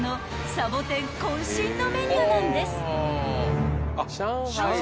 ［さぼてん渾身のメニューなんです］